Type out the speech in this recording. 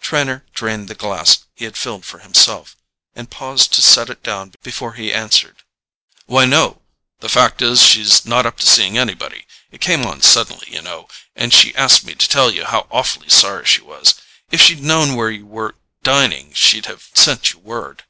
Trenor drained the glass he had filled for himself, and paused to set it down before he answered. "Why, no—the fact is, she's not up to seeing anybody. It came on suddenly, you know, and she asked me to tell you how awfully sorry she was—if she'd known where you were dining she'd have sent you word."